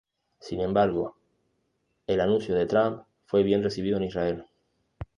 Sin embargo, el anuncio de Trump fue bien recibido en Israel.